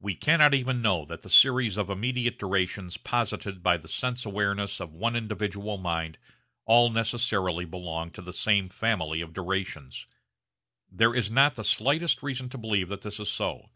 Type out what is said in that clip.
We cannot even know that the series of immediate durations posited by the sense awareness of one individual mind all necessarily belong to the same family of durations. There is not the slightest reason to believe that this is so.